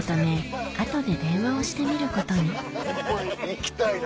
まだ行きたいな。